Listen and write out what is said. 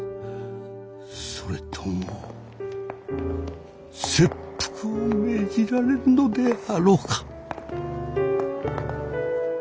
それとも切腹を命じられるのであろうか。